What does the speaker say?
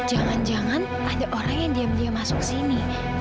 jangan jangan ada orang yang diam diam masuk sini